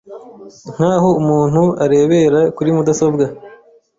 nk’aho umuntu arebera kuri mudasobwa